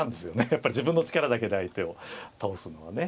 やっぱり自分の力だけで相手を倒すのはね。